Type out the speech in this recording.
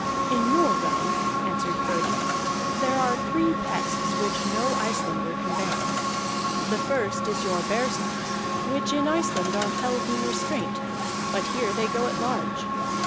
"In your realm," answered Frodi, "there are three pests which no Icelander can bear. The first is your baresarks, which in Iceland are held in restraint, but here they go at large.